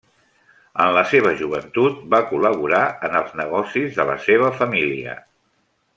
En la seva joventut, va col·laborar en els negocis de la seva família.